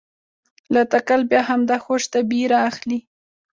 له تکل بیا همدا خوش طبعي رااخلي.